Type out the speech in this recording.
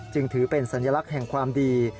จึงถือเป็นสัญลักษณ์แห่งความดี